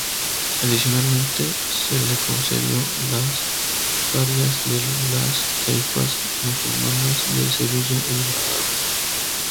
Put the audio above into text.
Adicionalmente se le concedió las parias de las taifas musulmanas de Sevilla y Badajoz.